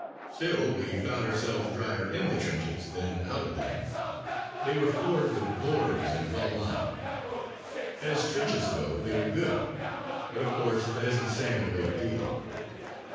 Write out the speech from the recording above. Still, we found ourselves drier in the trenches than out of them. They were floored with boards and well lined. As trenches go they were good, but, of course, that isn't saying a great deal.